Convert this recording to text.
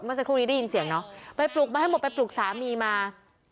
สักครู่นี้ได้ยินเสียงเนาะไปปลุกมาให้หมดไปปลุกสามีมา